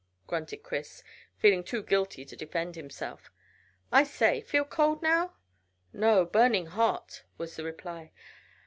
grunted Chris, feeling too guilty to defend himself. "I say, feel cold now?" "No; burning hot," was the reply.